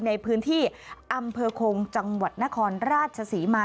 ในพื้นที่อำเภอคงจังหวัดนครราชศรีมา